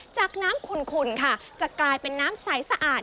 จากน้ำขุ่นค่ะจะกลายเป็นน้ำใสสะอาด